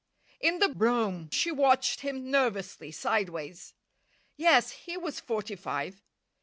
In the brougham she watched him nervously, sideways. Yes, he was forty five.